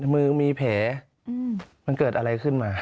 มือมีแผลมันเกิดอะไรขึ้นมา